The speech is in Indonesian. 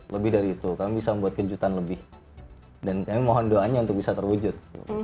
lebih dari itu kami bisa membuat kejutan lebih dan kami mohon doanya untuk bisa terwujud